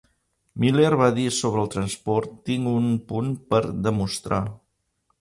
Miller va dir sobre el transport: tinc un punt per demostrar.